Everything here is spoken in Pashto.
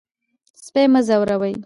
سپي مه ځوروئ.